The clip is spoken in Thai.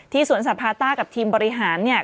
สวนสัตว์พาต้ากับทีมบริหารเนี่ย